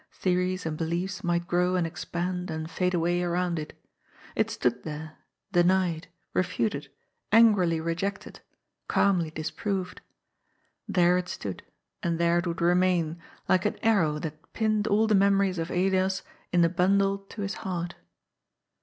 Theories and beliefs might grow and expand and fade away around it. It stood there, denied, refuted, angrily rejected, calmly disproved. There it stood, and there it would remain, like an arrow that pinned all the memories of Elias in a bundle to his heart.